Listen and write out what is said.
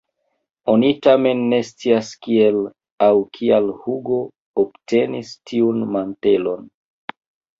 Oni tamen ne scias kiel aŭ kial Hugo obtenis tiun mantelon.